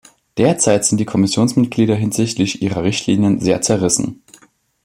Derzeit sind die Kommissionsmitglieder hinsichtlich ihrer Richtlinien sehr zerrissen.